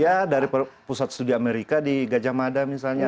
ya dari pusat studi amerika di gajah mada misalnya